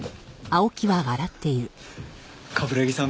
冠城さん